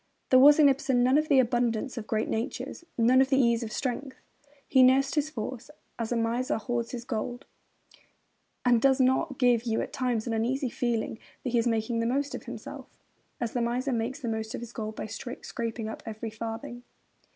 There was in Ibsen none of the abundance of great natures, none of the ease of strength. He nursed his force, as a miser hoards his gold; and does he not give you at times an uneasy feeling that he is making the most of himself, as the miser makes the most of his gold by scraping up every farthing?